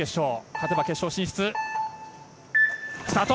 勝てば決勝進出。